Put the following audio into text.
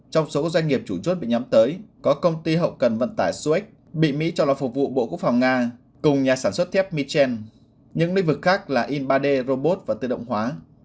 trong số doanh nghiệp chủ chốt bị nhắm tới có công ty hậu cần vận tải suex bị mỹ cho là phục vụ bộ quốc phòng nga cùng nhà sản xuất thép michel những lĩnh vực khác là in ba d robot và tự động hóa